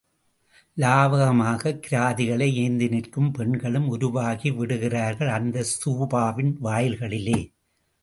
லாவகமாகக் கிராதிகளை ஏந்தி நிற்கும் பெண்களும் உருவாகிவிடுகிறார்கள் அந்த ஸ்தூபாவின் வாயில்களிலே.